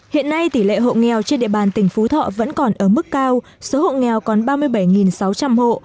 hiện nay tỷ lệ hộ nghèo trên địa bàn tỉnh phú thọ vẫn còn ở mức cao số hộ nghèo còn ba mươi bảy sáu trăm linh hộ